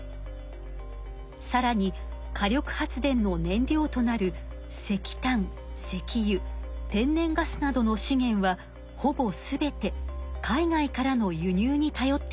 さらに火力発電の燃料となる石炭石油天然ガスなどの資源はほぼ全て海外からの輸入にたよっています。